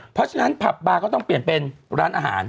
เพราะฉะนั้นผับบาร์ก็ต้องเปลี่ยนเป็นร้านอาหาร